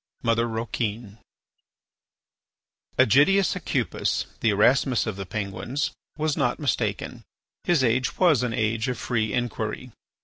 MOTHER ROUQUIN Ægidius Aucupis, the Erasmus of the Penguins, was not mistaken; his age was an age of free inquiry.